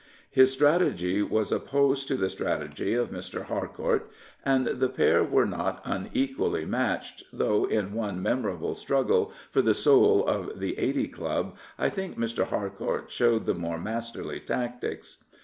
His strategy was opposed to the strategy of Mr. Harcourt, and the pair were not unequally matched, though in one memorable struggle for the soul of the Eighty Club I think Mr. Harcourt showed the more masterly tactics.